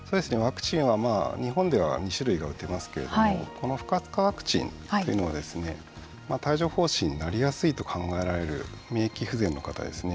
ワクチンは日本では２種類が打てますけれどもこの不活化ワクチンというのは帯状ほう疹になりやすいと考えられる免疫不全の方ですね。